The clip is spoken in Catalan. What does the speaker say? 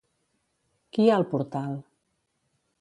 Qui hi ha al portal?